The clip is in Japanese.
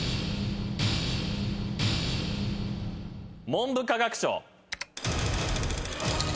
文部科学省。